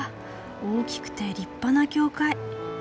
大きくて立派な教会。